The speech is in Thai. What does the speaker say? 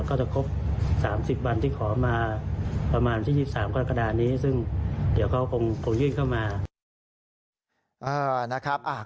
ก็จะครบ๓๐บัญที่ขอมา